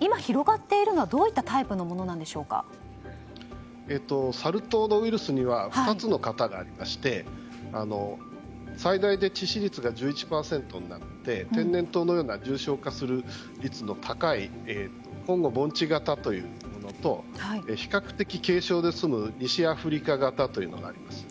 今、広がっているのはどういったタイプのサル痘のウイルスには２つの型がありまして最大で致死率が１１％になって天然痘のような重症化する率の高いものと比較的、軽症で済む西アフリカ型があります。